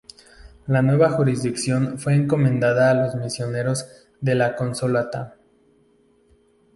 La nueva Jurisdicción fue encomendada a los Misioneros de la Consolata.